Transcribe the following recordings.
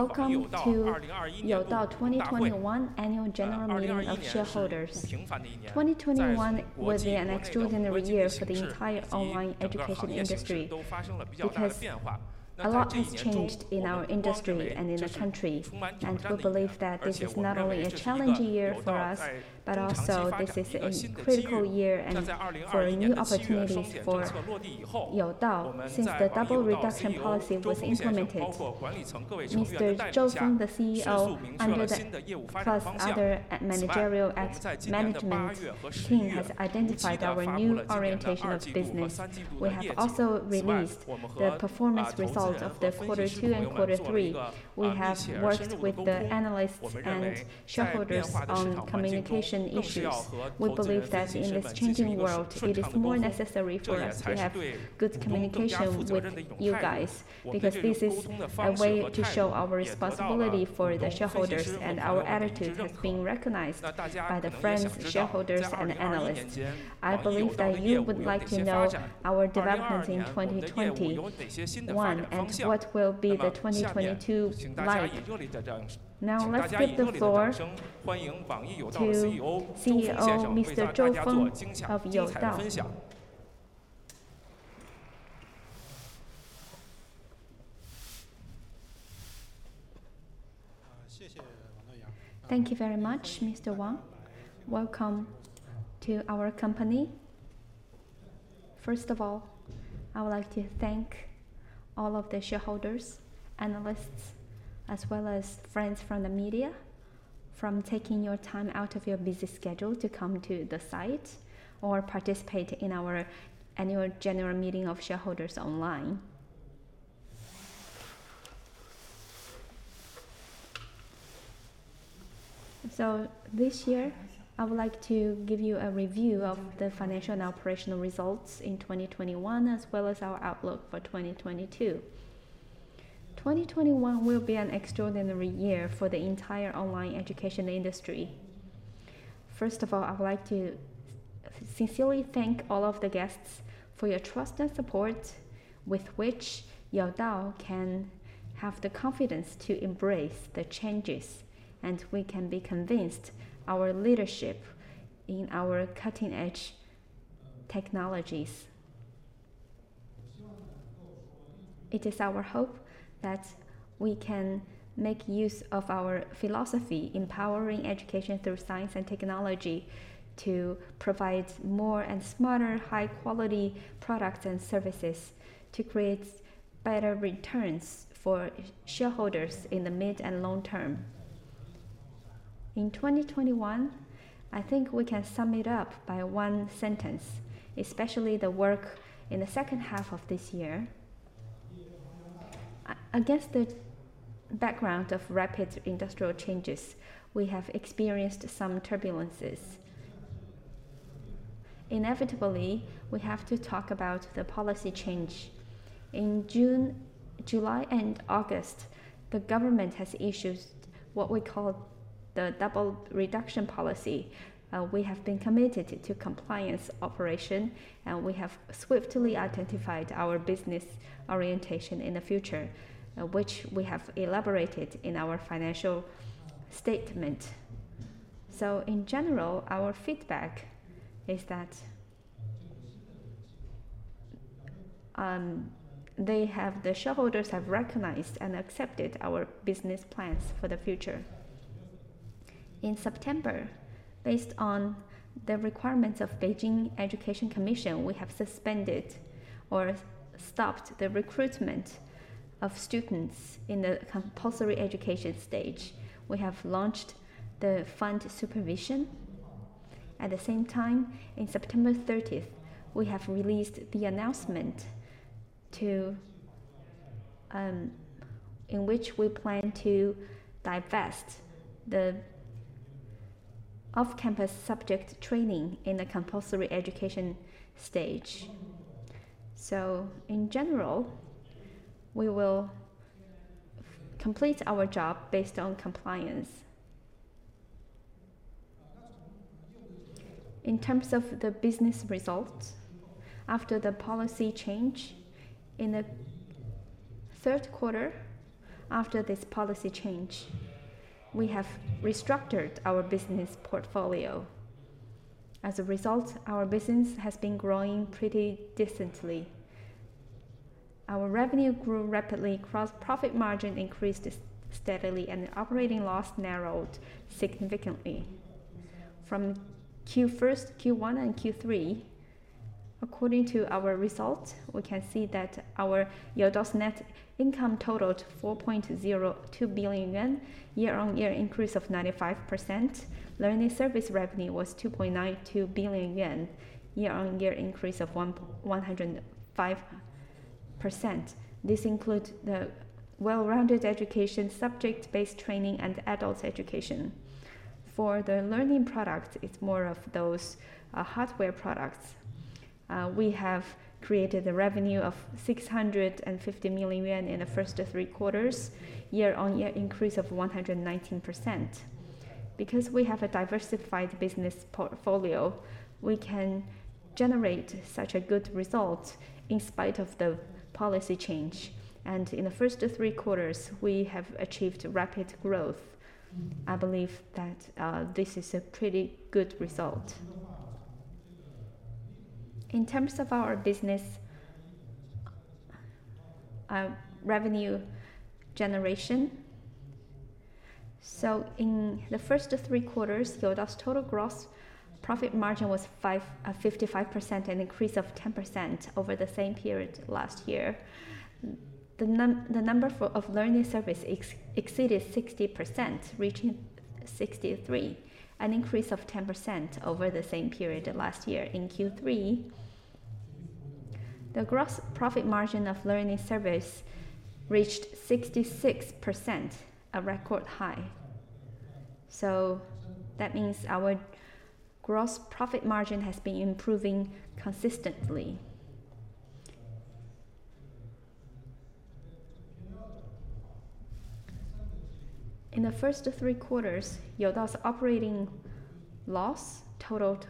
Welcome to Youdao 2021 Annual General Meeting of Shareholders. 2021 was an extraordinary year for the entire online education industry, because a lot has changed in our industry and in the country. We believe that this is not only a challenging year for us, but also this is a critical year and for new opportunities for Youdao since the double reduction policy was implemented. Mr. Zhou Feng, the CEO, plus other managerial management team has identified our new orientation of business. We have also released the performance results of the quarter two and quarter three. We have worked with the analysts and shareholders on communication issues. We believe that in this changing world, it is more necessary for us to have good communication with you guys, because this is a way to show our responsibility for the shareholders, and our attitude has been recognized by the friends, shareholders, and analysts. I believe that you would like to know our development in 2021 and what will be the 2022 like. Now, let's give the floor to CEO Mr. Feng Zhou of Youdao. Thank you very much, Mr. Wang. Welcome to our company. First of all, I would like to thank all of the shareholders, analysts, as well as friends from the media, for taking your time out of your busy schedule to come to the site or participate in our annual general meeting of shareholders online. This year, I would like to give you a review of the financial and operational results in 2021, as well as our outlook for 2022. 2021 will be an extraordinary year for the entire online education industry. First of all, I would like to sincerely thank all of the guests for your trust and support with which Youdao can have the confidence to embrace the changes, and we can be convinced our leadership in our cutting-edge technologies. It is our hope that we can make use of our philosophy, empowering education through science and technology, to provide more and smarter high-quality products and services to create better returns for shareholders in the mid and long term. In 2021, I think we can sum it up by one sentence, especially the work in the second half of this year. Against the background of rapid industrial changes, we have experienced some turbulences. Inevitably, we have to talk about the policy change. In June, July, and August, the government has issued what we call the Double Reduction Policy. We have been committed to compliance operation, and we have swiftly identified our business orientation in the future, which we have elaborated in our financial statement. In general, our feedback is that the shareholders have recognized and accepted our business plans for the future. In September, based on the requirements of Beijing Education Commission, we have suspended or stopped the recruitment of students in the compulsory education stage. We have launched the fund supervision. At the same time, in September thirtieth, we have released the announcement to, in which we plan to divest the off-campus subject training in the compulsory education stage. In general, we will complete our job based on compliance. In terms of the business results, after the policy change, in the third quarter after this policy change, we have restructured our business portfolio. As a result, our business has been growing pretty decently. Our revenue grew rapidly, gross profit margin increased steadily, and the operating loss narrowed significantly. From Q1, Q2, and Q3, according to our results, we can see that our Youdao's net income totaled 4.02 billion yuan, year-on-year increase of 95%. Learning services revenue was 2.92 billion yuan, year-on-year increase of 105%. This includes the well-rounded education, subject-based training, and adult education. For the learning products, it's more of those hardware products. We have created a revenue of 650 million yuan in the first three quarters, year-on-year increase of 119%. Because we have a diversified business portfolio, we can generate such a good result in spite of the policy change. In the first three quarters, we have achieved rapid growth. I believe that this is a pretty good result in terms of our business revenue generation. In the first three quarters, Youdao's total gross profit margin was 55%, an increase of 10% over the same period last year. The number for learning service exceeded 60%, reaching 63%, an increase of 10% over the same period last year. In Q3, the gross profit margin of learning service reached 66%, a record high. That means our gross profit margin has been improving consistently. In the first three quarters, Youdao's operating loss totaled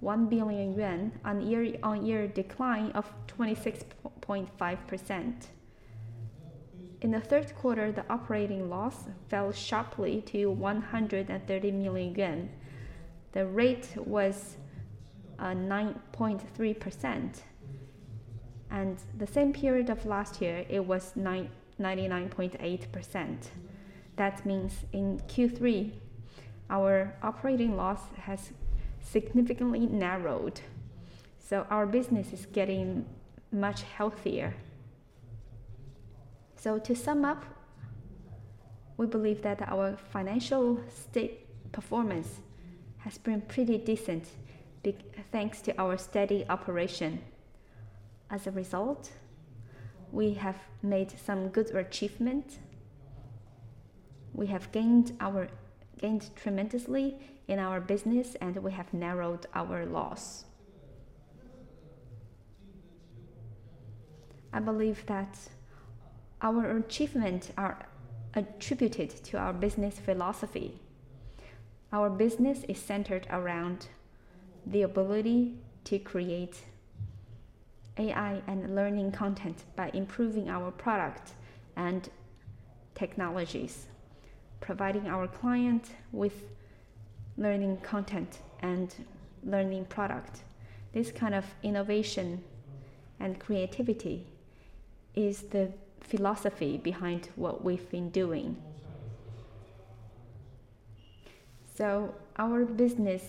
1 billion yuan, a year-on-year decline of 26.5%. In the third quarter, the operating loss fell sharply to 130 million yuan. The rate was 9.3%, and the same period of last year it was 99.8%. That means in Q3, our operating loss has significantly narrowed, so our business is getting much healthier. To sum up, we believe that our financial state performance has been pretty decent, thanks to our steady operation. As a result, we have made some good achievement. We have gained tremendously in our business, and we have narrowed our loss. I believe that our achievement are attributed to our business philosophy. Our business is centered around the ability to create AI and learning content by improving our product and technologies, providing our client with learning content and learning product. This kind of innovation and creativity is the philosophy behind what we've been doing. Our business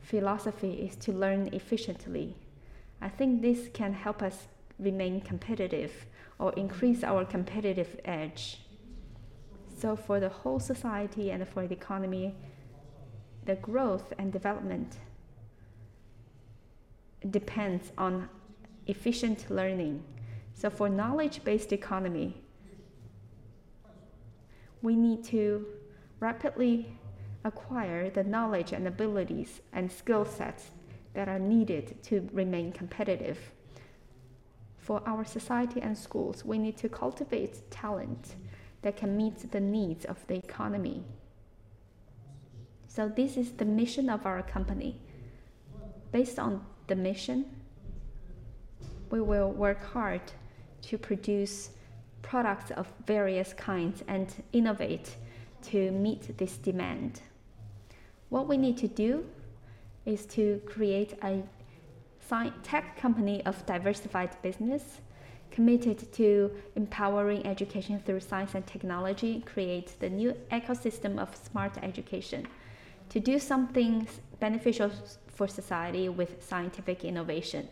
philosophy is to learn efficiently. I think this can help us remain competitive or increase our competitive edge. For the whole society and for the economy, the growth and development depends on efficient learning. For knowledge-based economy, we need to rapidly acquire the knowledge and abilities and skill sets that are needed to remain competitive. For our society and schools, we need to cultivate talent that can meet the needs of the economy. This is the mission of our company. Based on the mission, we will work hard to produce products of various kinds and innovate to meet this demand. What we need to do is to create a sci-tech company of diversified business, committed to empowering education through science and technology, create the new ecosystem of smart education to do something beneficial for society with scientific innovation.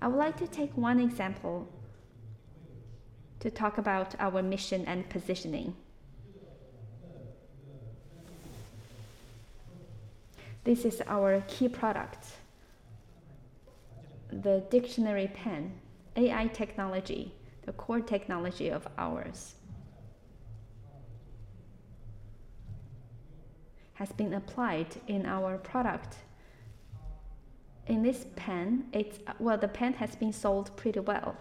I would like to take one example to talk about our mission and positioning. This is our key product, the dictionary pen. AI technology, the core technology of ours, has been applied in our product. In this pen, it's. Well, the pen has been sold pretty well.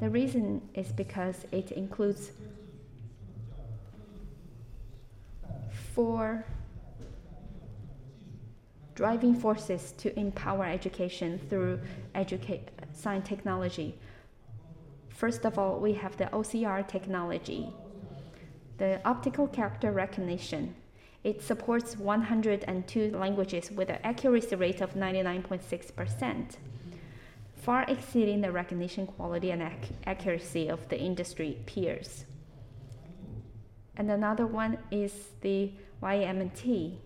The reason is because it includes four driving forces to empower education through sci-technology. First of all, we have the OCR technology, the optical character recognition. It supports 102 languages with an accuracy rate of 99.6%, far exceeding the recognition quality and accuracy of the industry peers. Another one is the YNMT.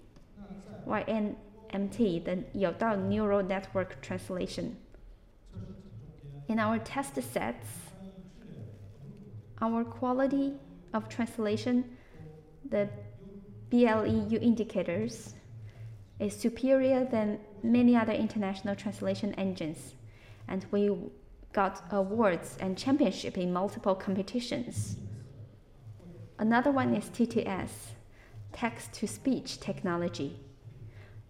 YNMT, the Youdao neural network translation. In our test sets, our quality of translation, the BLEU indicators, is superior than many other international translation engines, and we got awards and championship in multiple competitions. Another one is TTS, text-to-speech technology,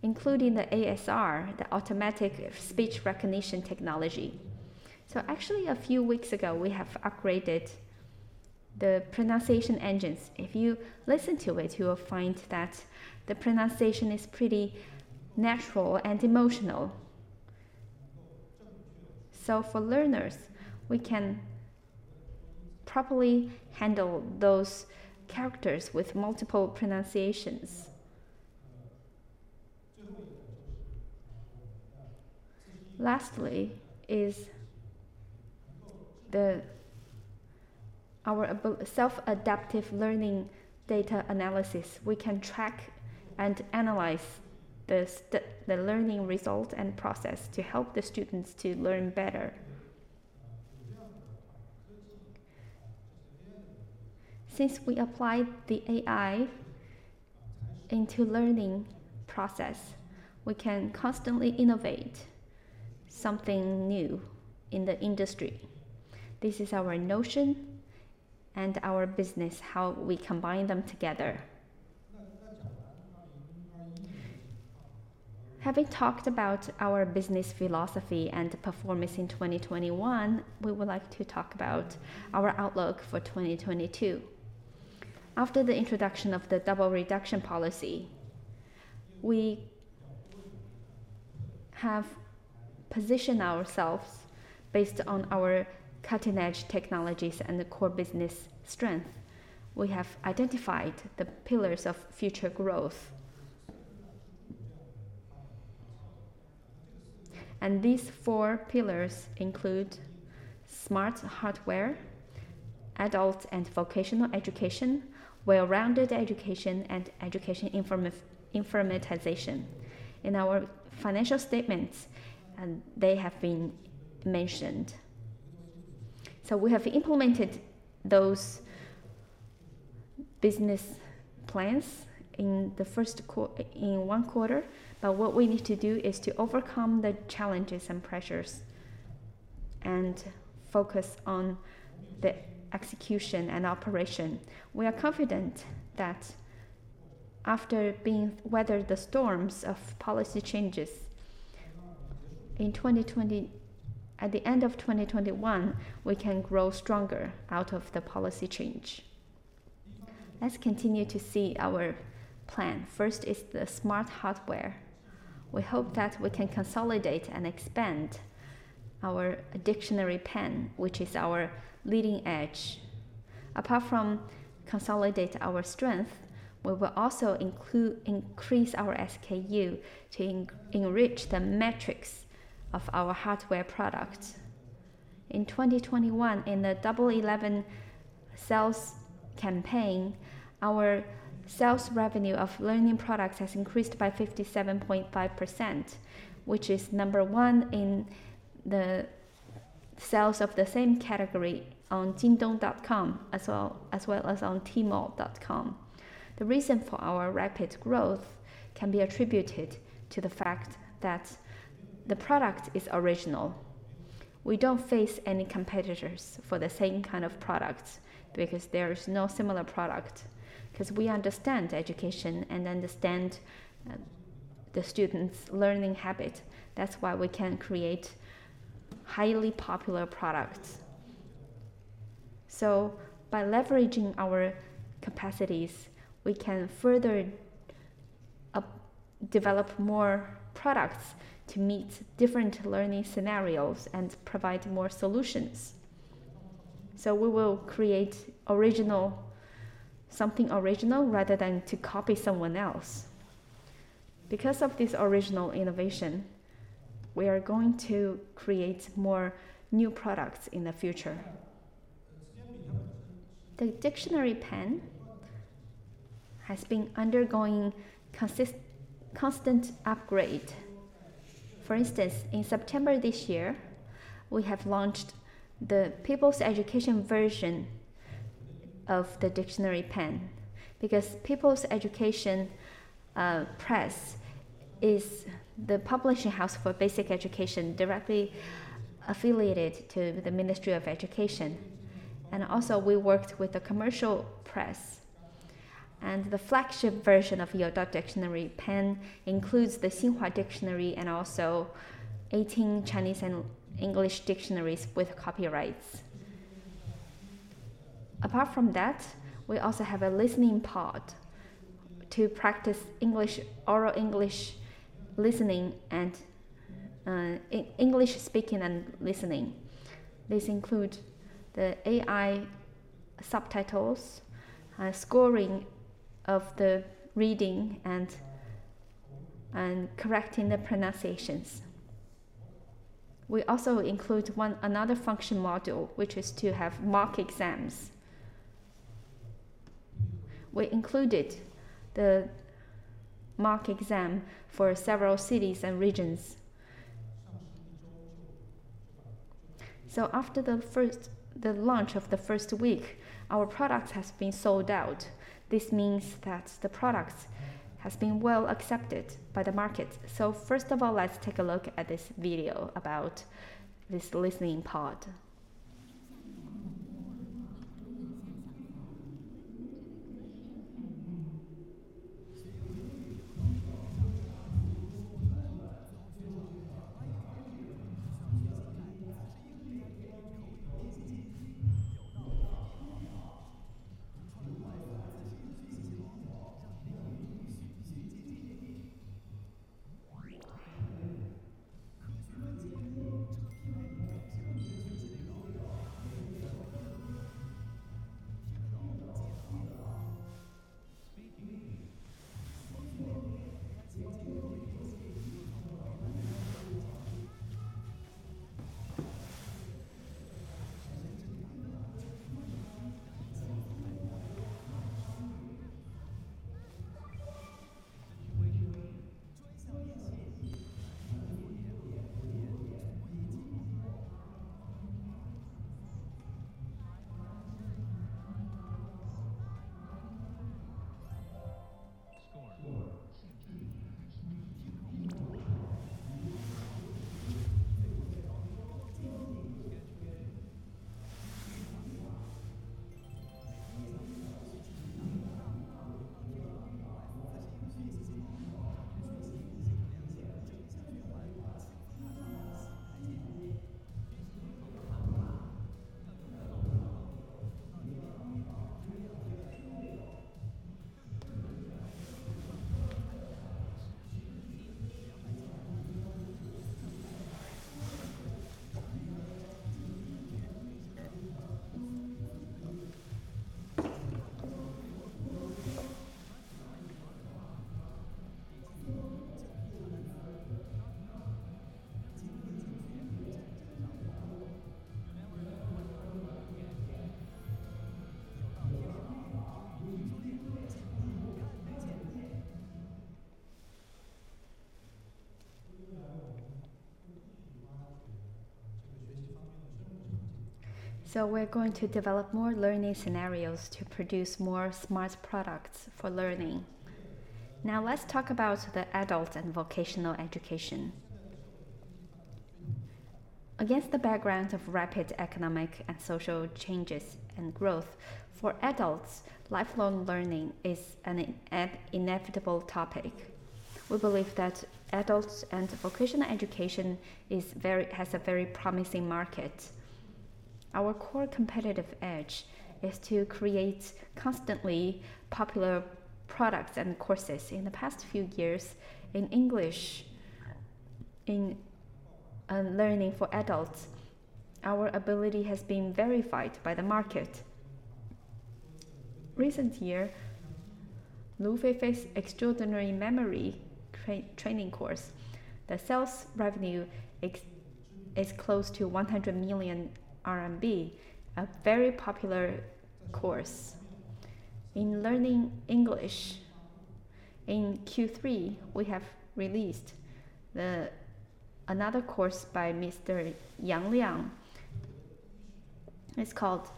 including the ASR, the automatic speech recognition technology. Actually, a few weeks ago, we have upgraded the pronunciation engines. If you listen to it, you will find that the pronunciation is pretty natural and emotional. For learners, we can properly handle those characters with multiple pronunciations. Lastly is our self-adaptive learning data analysis. We can track and analyze the learning result and process to help the students to learn better. Since we applied the AI into learning process, we can constantly innovate something new in the industry. This is our notion and our business, how we combine them together. Having talked about our business philosophy and performance in 2021, we would like to talk about our outlook for 2022. After the introduction of the double reduction policy, we have positioned ourselves based on our cutting-edge technologies and the core business strength. We have identified the pillars of future growth. These four pillars include smart hardware, adult and vocational education, well-rounded education, and education informatization. In our financial statements, they have been mentioned. We have implemented those business plans in one quarter, but what we need to do is to overcome the challenges and pressures, and focus on the execution and operation. We are confident that after weather the storms of policy changes at the end of 2021, we can grow stronger out of the policy change. Let's continue to see our plan. First is the smart hardware. We hope that we can consolidate and expand our dictionary pen, which is our leading edge. Apart from consolidate our strength, we will also increase our SKU to enrich the metrics of our hardware products. In 2021, in the Double 11 sales campaign, our sales revenue of learning products has increased by 57.5%, which is number one in the sales of the same category on JD.com as well as on Tmall.com. The reason for our rapid growth can be attributed to the fact that the product is original. We don't face any competitors for the same kind of products because there is no similar product, 'cause we understand education and the students' learning habit. That's why we can create highly popular products. By leveraging our capacities, we can further develop more products to meet different learning scenarios and provide more solutions. We will create something original rather than to copy someone else. Because of this original innovation, we are going to create more new products in the future. The Dictionary Pen has been undergoing constant upgrade. For instance, in September this year, we have launched the People's Education version of the Dictionary Pen because People's Education Press is the publishing house for basic education directly affiliated to the Ministry of Education. We also worked with a Commercial Press, and the flagship version of Youdao Dictionary Pen includes the Xinhua Dictionary and also 18 Chinese and English dictionaries with copyrights. Apart from that, we also have a listening pod to practice oral English listening and English speaking and listening. This includes the AI subtitles, scoring of the reading, and correcting the pronunciations. We also include another function module, which is to have mock exams. We included the mock exam for several cities and regions. After the launch of the first week, our product has been sold out. This means that the product has been well-accepted by the market. First of all, let's take a look at this video about this Listening Pod. We're going to develop more learning scenarios to produce more smart products for learning. Now let's talk about the adult and vocational education. Against the background of rapid economic and social changes and growth, for adults, lifelong learning is an inevitable topic. We believe that adult and vocational education has a very promising market. Our core competitive edge is to create constantly popular products and courses. In the past few years, in English learning for adults, our ability has been verified by the market. In recent year, Lu Feifei's Extraordinary Memory Training course, the sales revenue is close to 100 million RMB, a very popular course. In English learning, in Q3, we have released another course by Mr. Yang Liang. It's called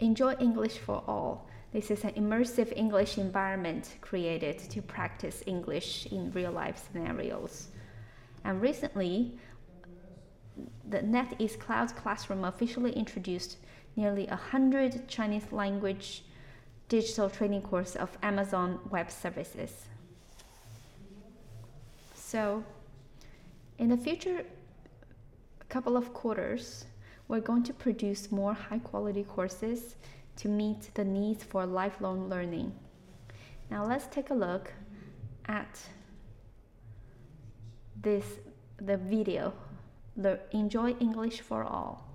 Enjoy English for All. This is an immersive English environment created to practice English in real-life scenarios. Recently, the NetEase Cloud Classroom officially introduced nearly 100 Chinese language digital training course of Amazon Web Services. In the future couple of quarters, we're going to produce more high-quality courses to meet the needs for lifelong learning. Now let's take a look at this, the video, the Enjoy English for All.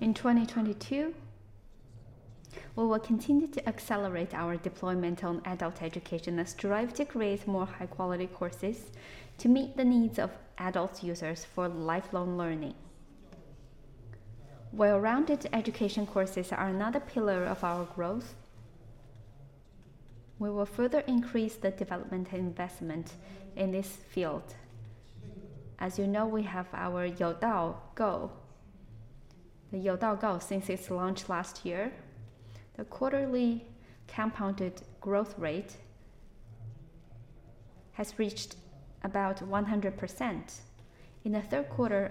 I wake up in the morning. Wow, it's very dark. I go to my wardrobe. What should I wear today? I scope the suit. I decide to go with the blue suit. I take my umbrella. I get a hurried cab. I unlock my front door. I walk to the bus stop. Oh, my bus is here. I'm ready to work. I go to the building where Youdao is the company. Leo, what's on my to-do list? He is an English teacher. How useful. Oh, what a nice office. Yes, it is. My team is nice and friendly, and Doris is great to work with. I like working here too. I wake up in the morning. In 2022, we will continue to accelerate our deployment on adult education and strive to create more high-quality courses to meet the needs of adult users for lifelong learning. Well-rounded education courses are another pillar of our growth. We will further increase the development and investment in this field. As you know, we have our Youdao Go. The Youdao Go, since its launch last year, the quarterly compounded growth rate has reached about 100%. In the third quarter,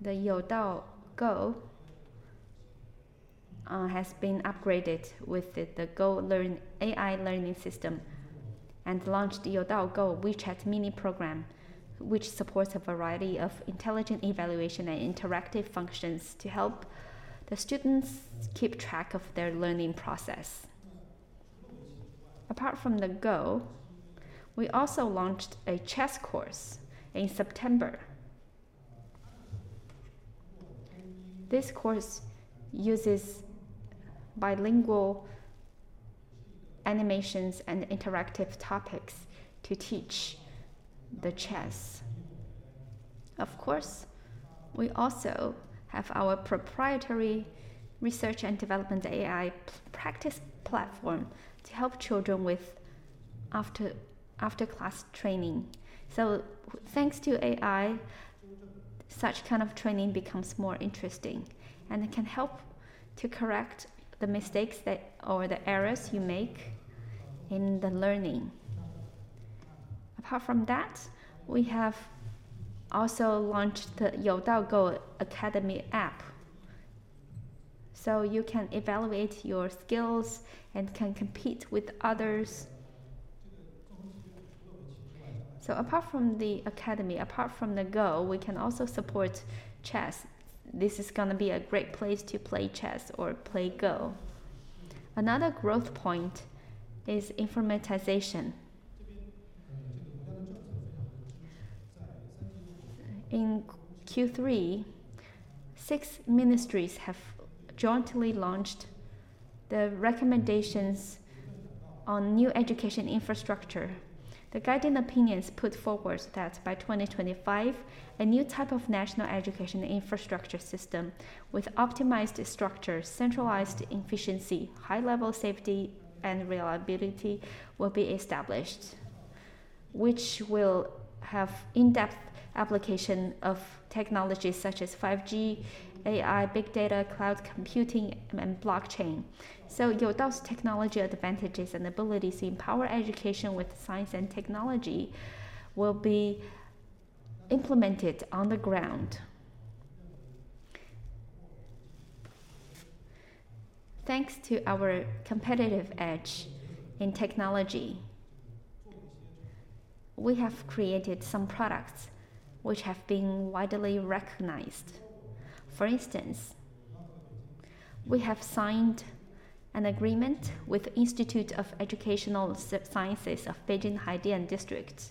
the Youdao Go has been upgraded with the AI learning system and launched Youdao Go WeChat mini program, which supports a variety of intelligent evaluation and interactive functions to help the students keep track of their learning process. Apart from the Go, we also launched a chess course in September. This course uses bilingual animations and interactive topics to teach the chess. Of course, we also have our proprietary research and development AI practice platform to help children with after-class training. Thanks to AI, such kind of training becomes more interesting, and it can help to correct the mistakes or the errors you make in the learning. Apart from that, we have also launched the Youdao Go Academy app, so you can evaluate your skills and can compete with others. Apart from the academy, apart from the Go, we can also support chess. This is gonna be a great place to play chess or play Go. Another growth point is informatization. In Q3, six ministries have jointly launched the recommendations on new education infrastructure. The guiding opinions put forward that by 2025, a new type of national education infrastructure system with optimized structure, centralized efficiency, high-level safety, and reliability will be established, which will have in-depth application of technologies such as 5G, AI, big data, cloud computing, and blockchain. Youdao's technology advantages and abilities empower education with science and technology will be implemented on the ground. Thanks to our competitive edge in technology, we have created some products which have been widely recognized. For instance, we have signed an agreement with Institute of Educational Sciences of Beijing Haidian District,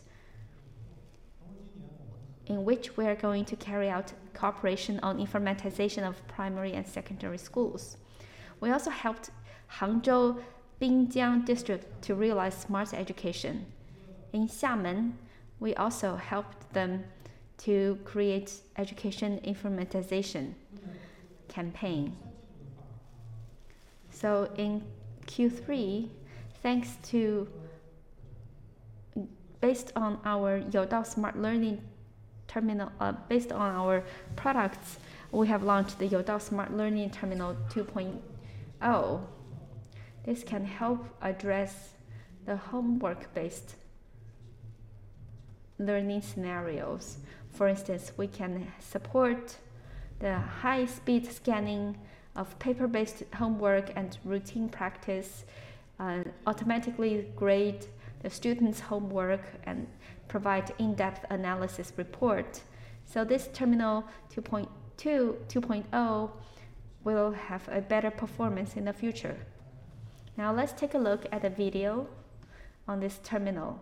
in which we are going to carry out cooperation on informatization of primary and secondary schools. We also helped Hangzhou Binjiang District to realize smart education. In Xiamen, we also helped them to create education informatization campaign. In Q3, thanks to, based on our Youdao Smart Learning Terminal, based on our products, we have launched the Youdao Smart Learning Terminal 2.0. This can help address the homework-based learning scenarios. For instance, we can support the high-speed scanning of paper-based homework and routine practice, automatically grade the student's homework and provide in-depth analysis report. This terminal 2.0 will have a better performance in the future. Now let's take a look at a video on this terminal.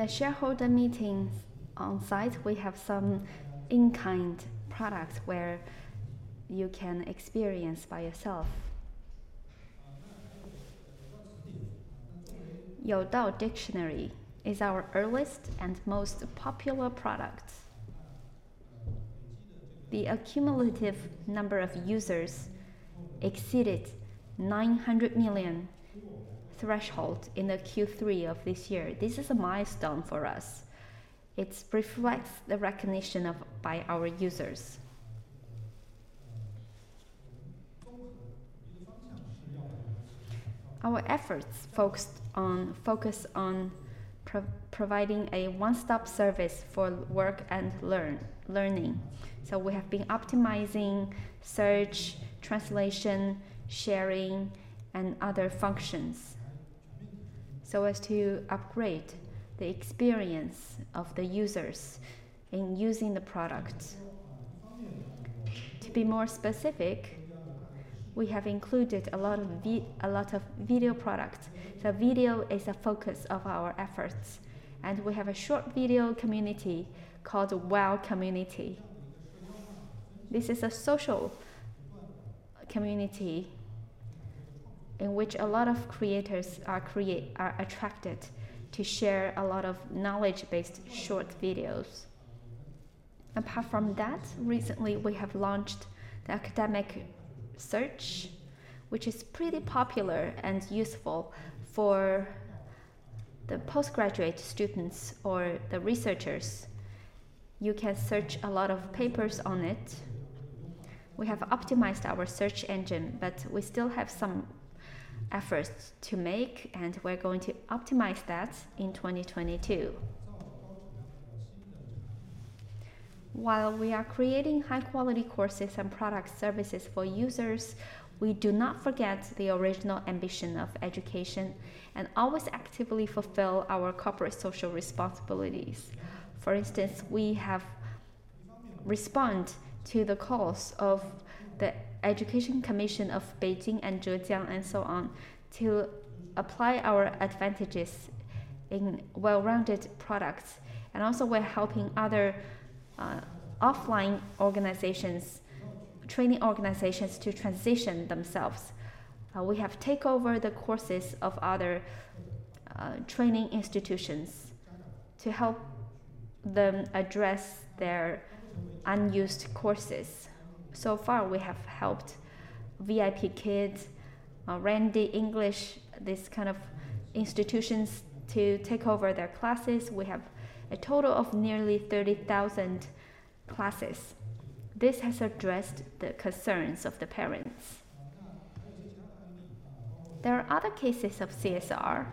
In the shareholder meeting on site, we have some in-kind products where you can experience by yourself. Youdao Dictionary is our earliest and most popular product. The accumulative number of users exceeded 900 million threshold in the Q3 of this year. This is a milestone for us. It reflects the recognition by our users. Our efforts focus on providing a one-stop service for work and learning. We have been optimizing search, translation, sharing, and other functions, so as to upgrade the experience of the users in using the product. To be more specific, we have included a lot of video products. Video is a focus of our efforts, and we have a short video community called Wow Community. This is a social community in which a lot of creators are attracted to share a lot of knowledge-based short videos. Apart from that, recently, we have launched the academic search, which is pretty popular and useful for the postgraduate students or the researchers. You can search a lot of papers on it. We have optimized our search engine, but we still have some efforts to make, and we're going to optimize that in 2022. While we are creating high-quality courses and product services for users, we do not forget the original ambition of education and always actively fulfill our corporate social responsibilities. For instance, we have responded to the calls of the Beijing Municipal Education Commission and Zhejiang and so on, to apply our advantages in well-rounded products. We're helping other offline organizations, training organizations to transition themselves. We have taken over the courses of other training institutions to help them address their unused courses. So far, we have helped VIPKid, Landi English, these kind of institutions to take over their classes. We have a total of nearly 30,000 classes. This has addressed the concerns of the parents. There are other cases of CSR.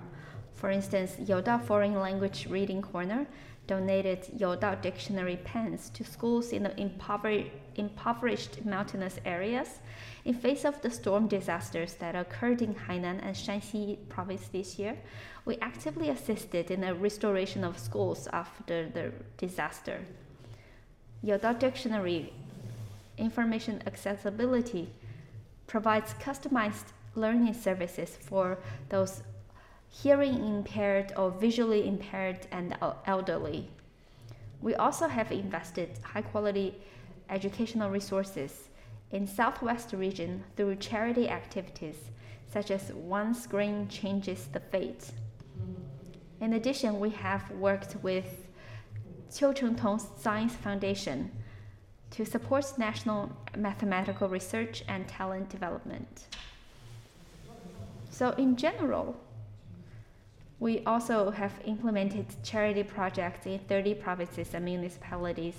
For instance, Youdao Foreign Language Reading Corner donated Youdao Dictionary Pens to schools in the impoverished mountainous areas. In the face of the storm disasters that occurred in Hainan and Shanxi Province this year, we actively assisted in the restoration of schools after the disaster. Youdao Dictionary information accessibility provides customized learning services for those hearing-impaired or visually impaired and elderly. We also have invested high-quality educational resources in Southwest region through charity activities such as One Screen Changes the Fate. In addition, we have worked with Qiu Chengtong's Science Foundation to support national mathematical research and talent development. In general, we also have implemented charity projects in 30 provinces and municipalities,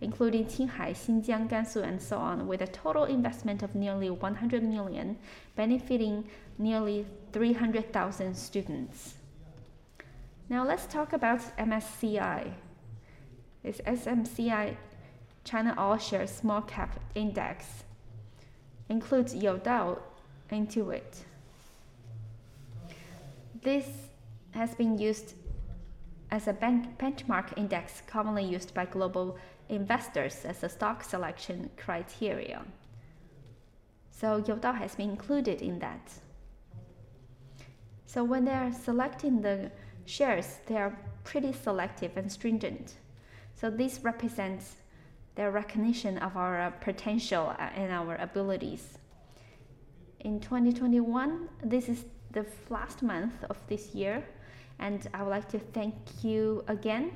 including Qinghai, Xinjiang, Gansu, and so on, with a total investment of nearly 100 million, benefiting nearly 300,000 students. Now let's talk about MSCI. This MSCI China All Shares Small Cap Index includes Youdao into it. This has been used as a benchmark index commonly used by global investors as a stock selection criteria. Youdao has been included in that. When they are selecting the shares, they are pretty selective and stringent. This represents their recognition of our potential and our abilities. In 2021, this is the last month of this year, and I would like to thank you again,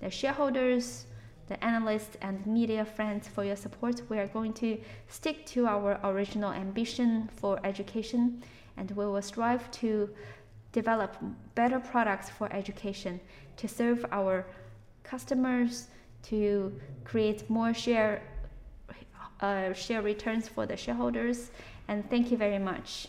the shareholders, the analysts, and media friends for your support. We are going to stick to our original ambition for education, and we will strive to develop better products for education to serve our customers, to create more share returns for the shareholders, and thank you very much.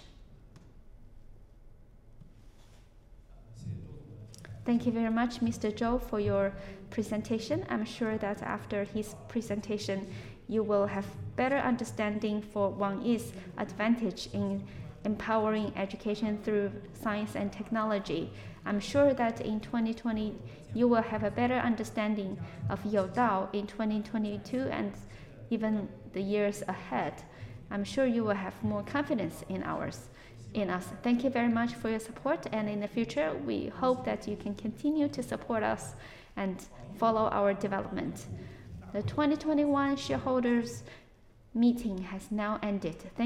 Thank you very much, Mr. Zhou, for your presentation. I'm sure that after his presentation, you will have better understanding of NetEase's advantage in empowering education through science and technology. I'm sure that in 2020 you will have a better understanding of Youdao in 2022 and even the years ahead. I'm sure you will have more confidence in ours, in us. Thank you very much for your support, and in the future, we hope that you can continue to support us and follow our development. The 2021 shareholders meeting has now ended.